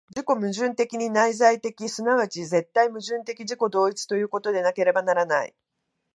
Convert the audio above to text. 自己矛盾的に内在的、即ち絶対矛盾的自己同一ということでなければならない。